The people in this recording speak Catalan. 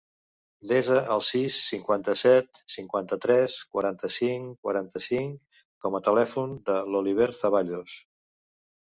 Desa el sis, cinquanta-set, cinquanta-tres, quaranta-cinc, quaranta-cinc com a telèfon de l'Oliver Zaballos.